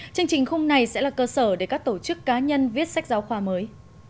chương trình khung này sẽ là cơ sở để các tổ chức cá nhân viết sách giáo khoa mới